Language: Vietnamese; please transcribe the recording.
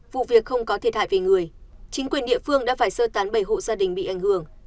vụ việc không có thiệt hại về người chính quyền địa phương đã phải sơ tán bảy hộ gia đình bị ảnh hưởng